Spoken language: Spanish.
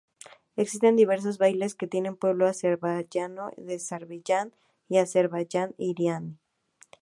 Existen diversos bailes que tiene el pueblo azerbaiyano de Azerbaiyán y Azerbaiyán iraní.